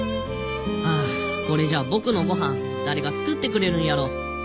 ああこれじゃ僕のごはん誰が作ってくれるんやろ？